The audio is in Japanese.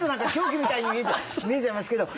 見えちゃいますけど。